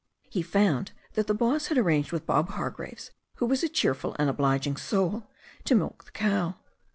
He found that the boss had ar ranged with Bob Hargraves, who was a cheerful and oblig ing soul, to milk the cow.